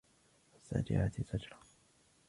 فالزاجرات زجرا